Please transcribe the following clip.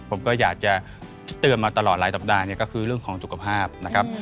ผมก็อยากจะเตือนมาตลอดหลายสัปดาห์เนี่ยก็คือเรื่องของสุขภาพนะครับ